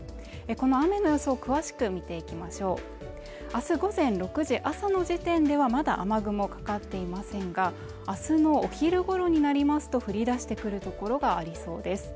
この雨の予想を詳しく見ていきましょう明日午前６時朝の時点ではまだ雨雲かかっていませんが明日のお昼頃になりますと降り出してくるところがありそうです